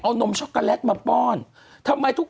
คุณหนุ่มกัญชัยได้เล่าใหญ่ใจความไปสักส่วนใหญ่แล้ว